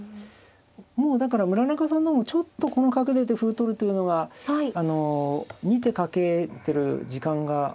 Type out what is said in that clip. もうだから村中さんの方もちょっとこの角出て歩取るというのが２手かけてる時間が。